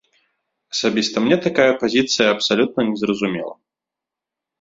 Асабіста мне такая пазіцыя абсалютна не зразумелая.